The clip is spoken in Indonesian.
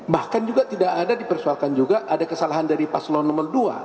bahkan juga tidak ada dipersoalkan juga ada kesalahan dari paslon nomor dua